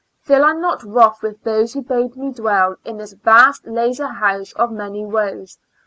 Feel I not wroth with those who bade me dwell In this vast lazar house of many woes